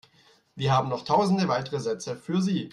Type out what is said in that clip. Wir haben noch tausende weitere Sätze für Sie.